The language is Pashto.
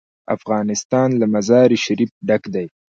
افغانستان له مزارشریف ډک دی.